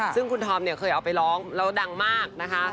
ซึ่งคุณธอมเนี่ยเคยเอาไปร้องแล้วดังมากนะคะ